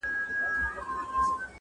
o ښه مه کوه، بد به نه در رسېږي!